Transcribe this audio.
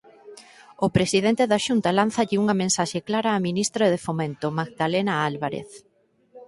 O presidente da Xunta lánzalle unha mensaxe clara á ministra de Fomento, Magdalena Álvarez: